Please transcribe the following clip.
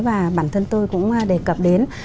và bản thân tôi cũng đề cập đến